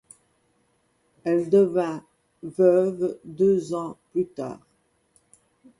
Elle devint veuve deux ans plus tard.